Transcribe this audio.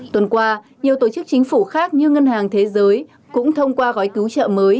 tuần qua nhiều tổ chức chính phủ khác như ngân hàng thế giới cũng thông qua gói cứu trợ mới